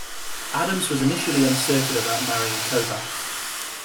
Adams was initially uncertain about marrying Kovacs.